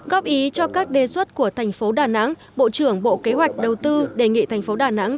góp ý cho các đề xuất của thành phố đà nẵng bộ trưởng bộ kế hoạch đầu tư đề nghị thành phố đà nẵng